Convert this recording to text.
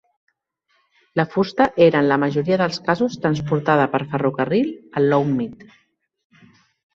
La fusta era en la majoria dels casos transportada per ferrocarril a Lowmead.